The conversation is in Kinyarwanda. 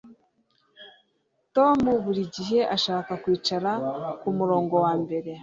Tom buri gihe ashaka kwicara kumurongo wambere